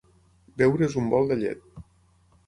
Beure's un bol de llet.